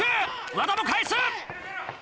和田も返す！